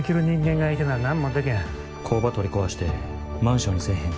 工場取り壊してマンションにせえへんか？